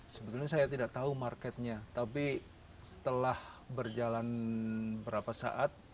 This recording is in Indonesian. sebetulnya saya tidak tahu marketnya tapi setelah berjalan berapa saat